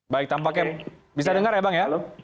baik tampaknya bisa dengar ya bang ya